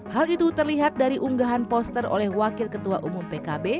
hal itu terlihat dari unggahan poster oleh wakil ketua umum pkb